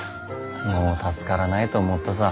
もう助からないと思ったさ。